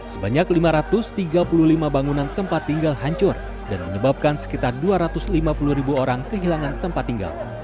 sebanyak lima ratus tiga puluh lima bangunan tempat tinggal hancur dan menyebabkan sekitar dua ratus lima puluh ribu orang kehilangan tempat tinggal